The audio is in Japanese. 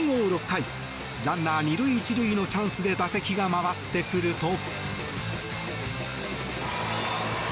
６回ランナー２塁１塁のチャンスで打席が回ってくると。